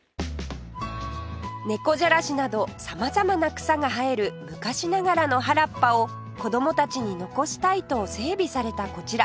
猫じゃらしなど様々な草が生える昔ながらの原っぱを子供たちに残したいと整備されたこちら